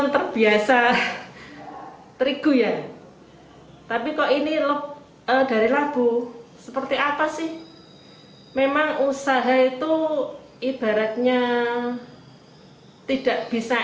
terbiasa terigu ya tapi kok ini dari labu seperti apa sih memang usaha itu ibaratnya tidak bisa